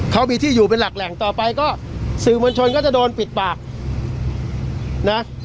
เขามีที่อยู่เป็นหลักแหล่งต่อไปก็สื่อมวลชนก็จะโดนปิดปากนะ